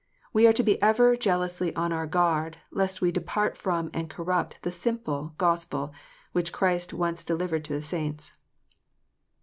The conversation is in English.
We are to be ever jealously on our guard, lest we depart from and corrupt the simple Gospel which Christ once delivered to the saints.